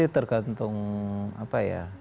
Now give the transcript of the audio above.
tergantung apa ya